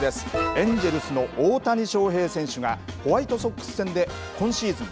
エンジェルスの大谷翔平選手がホワイトソックス戦で今シーズン